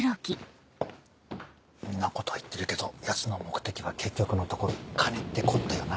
んなこと言ってるけどヤツの目的は結局のところ金ってこったよな。